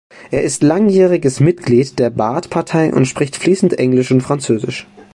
Er ist langjähriges Mitglied der Baath-Partei und spricht fließend Englisch und Französisch.